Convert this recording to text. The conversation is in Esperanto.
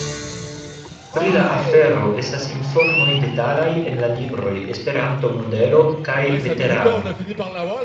Pri la afero estas informoj detalaj en la libroj ‘’Esperanto Modelo’’ kaj ‘’Veterano?’’.